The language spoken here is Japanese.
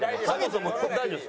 大丈夫です。